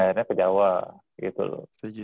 akhirnya ke jawa gitu loh setuju